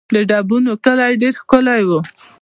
د ډبونو کلی ډېر ښکلی دی